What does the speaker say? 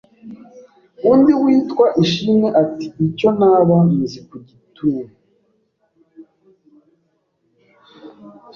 Undi witwa Ishimwe, ati “Icyo naba nzi ku gituntu